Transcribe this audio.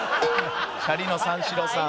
チャリの三四郎さん。